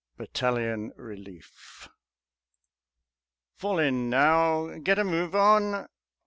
BATALLION RELIEF "_Fall in! Now, get a move on!